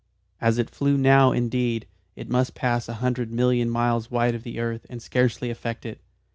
As it flew now, indeed, it must pass a hundred million of miles wide of the earth and scarcely affect it.